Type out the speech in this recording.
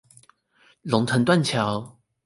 龍騰斷橋